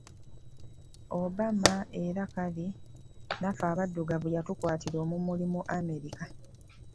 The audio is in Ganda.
Obama era kale naffe abaddugavu yatukwatira omumuli mu America.